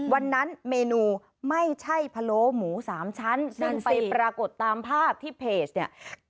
วันนั้นเมนูไม่ใช่พะโล้หมูสามชั้นซึ่งไปปรากฏตามภาพที่เพจเนี่ย